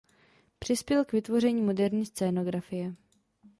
Přispěl k vytvoření moderní scénografie.